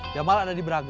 ya malah ada di belakang